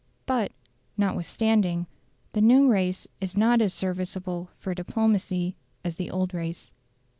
But, notwithstanding, the new race is not as serviceable for diplomacy as the old race.